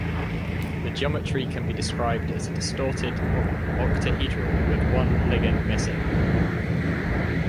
The geometry can be described as a distorted octahedral with one ligand missing.